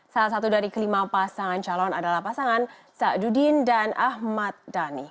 salah satu dari kelima pasangan calon adalah pasangan ⁇ aadudin dan ahmad dhani